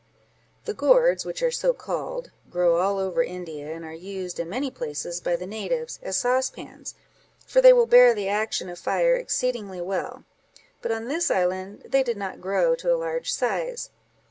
The gourds, which are so called, grow all over India, and are used, in many places, by the natives, as saucepans, for they will bear the action of fire exceedingly well; but on this island they did not grow to a large size.